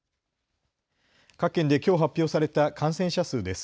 各県できょう発表された感染者数です。